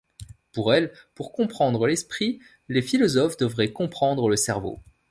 Pour elle, pour comprendre l'esprit, les philosophes devraient comprendre le cerveau.